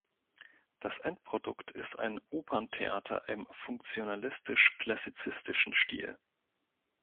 Das Endprodukt ist ein Operntheater im funktionalistisch-klassizistischen Stil.